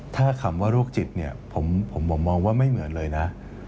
ถ้าคำว่าโรคจิตเนี่ยผมมองว่าไม่เหมือนเลยนะ